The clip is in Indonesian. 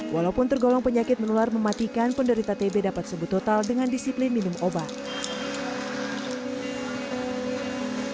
walaupun tergolong penyakit menular mematikan penderita tb dapat sebut total dengan disiplin minum obat